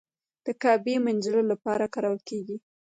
د کعبې مینځلو لپاره کارول کیږي.